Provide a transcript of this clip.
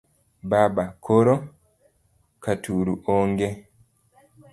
Baba:koro? Kitaru: ong'e